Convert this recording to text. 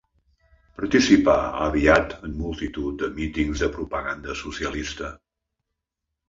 Participà aviat en multitud de mítings de propaganda socialista.